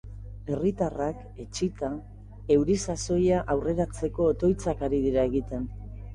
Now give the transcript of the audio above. Herritarrak, etsita, euri sasoia aurreratzeko otoitzak ari dira egiten.